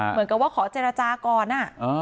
เหมือนกับว่าขอเจรจาก่อน